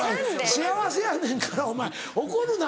幸せやねんからお前怒るな。